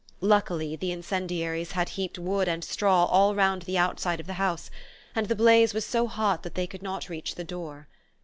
Luckily the incendiaries had heaped wood and straw all round the outside of the house, and the blaze was so hot that they could not reach the door.